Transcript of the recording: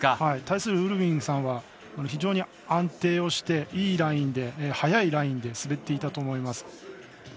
対するウルビングさんは非常に安定をしていいラインで、速いラインで滑っていたと思います。